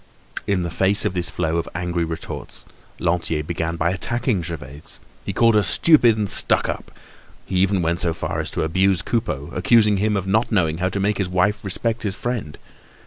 In the face of this flow of angry retorts, Lantier began by attacking Gervaise. He called her stupid and stuck up. He even went so far as to abuse Coupeau, accusing him of not knowing how to make his wife respect his friend.